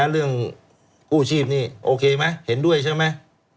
เรื่องกู้ชีพนี่โอเคไหมเห็นด้วยใช่ไหม